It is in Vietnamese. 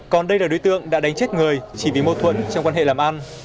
còn đây là đối tượng đã đánh chết người chỉ vì mâu thuẫn trong quan hệ làm ăn